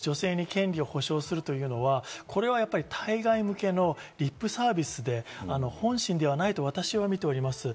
タリバンがイスラム法の枠内で女性に権利を保証するというのは、対外向けのリップサービスで本心ではないと私は見ております。